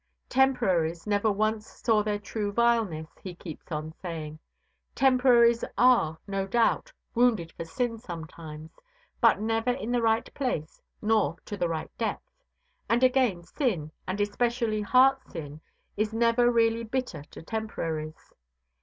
Temporaries never once saw their true vileness, he keeps on saying. Temporaries are, no doubt, wounded for sin sometimes, but never in the right place nor to the right depth. And again, sin, and especially heart sin, is never really bitter to Temporaries.